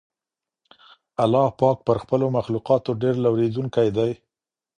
الله پاک پر خپلو مخلوقاتو ډېر لورېدونکی دی.